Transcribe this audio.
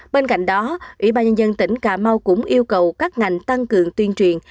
bên cạnh đó ủy ban nhân dân tỉnh cà mau cũng yêu cầu các ngành tăng cường tuyên truyền